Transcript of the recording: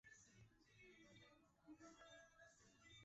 La sexta imagen es de la Fuente de la vida, o "fons vitae".